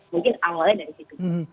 mungkin awalnya dari situ